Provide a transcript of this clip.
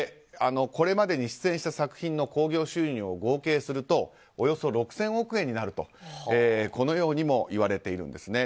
これまでに出演した作品の興行収入を合計するとおよそ６０００億円になるとこのようにもいわれています。